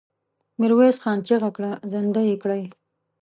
ميرويس خان چيغه کړه! زندۍ يې کړئ!